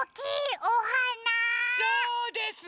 そうです！